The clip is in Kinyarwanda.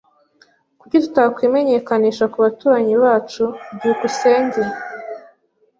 Kuki tutakwimenyekanisha kubaturanyi bacu? byukusenge